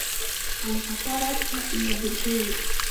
Анхацәа раԥхьа инадыргылеит.